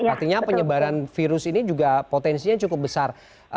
artinya penyebaran virus ini juga potensinya cukup besar